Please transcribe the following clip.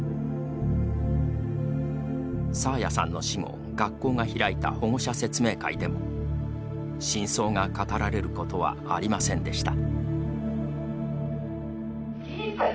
爽彩さんの死後学校が開いた保護者説明会でも真相が語られることはありませんでした。